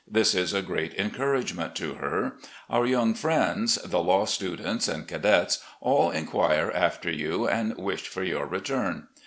This is a great encourage ment to her. Our yoimg friends, the law students and cadets, all inquire after you and wish for your return.